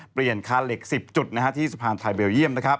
เปลี่ยนคาเหล็ก๑๐จุดที่สะพานไทยเบลเยี่ยม